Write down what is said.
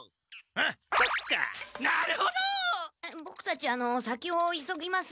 あっボクたちあの先を急ぎますんで。